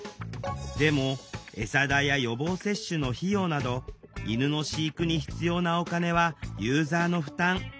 でもえさ代や予防接種の費用など犬の飼育に必要なお金はユーザーの負担。